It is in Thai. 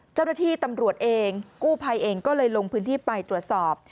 เจ้าหน้าที่ตำรวจเองกู้ภัยเองก็เลยลงพื้นที่ไปตรวจสอบ